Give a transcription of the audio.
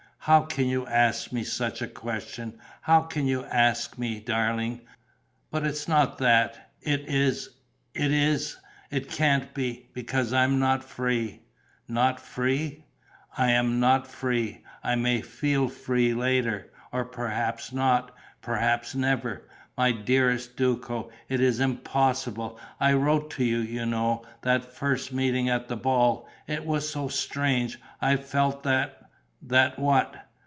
"How can you ask me such a question? How can you ask me, darling? But it's not that. It is ... it is ... it can't be, because I am not free." "Not free?" "I am not free. I may feel free later ... or perhaps not, perhaps never.... My dearest Duco, it is impossible. I wrote to you, you know: that first meeting at the ball; it was so strange; I felt that ..." "That what?"